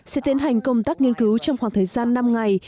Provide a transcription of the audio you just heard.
sẽ tiến hành công tác nghiên cứu trong khoảng thời gian năm ngày